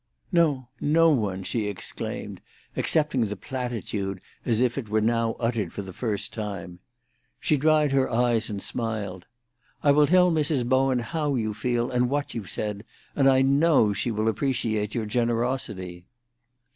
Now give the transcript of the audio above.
"No; no one!" she exclaimed, accepting the platitude as if it were now uttered for the first time. She dried her eyes and smiled. "I will tell Mrs. Bowen how you feel and what you've said, and I know she will appreciate your generosity."